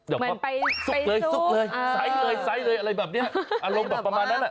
เหมือนไปสุกเลยใสเลยอะไรแบบนี้อารมณ์แบบประมาณนั้นแหละ